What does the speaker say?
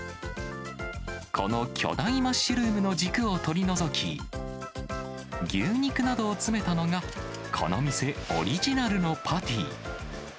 この巨大マッシュルームの軸を取り除き、牛肉などを詰めたのが、この店オリジナルのパティ。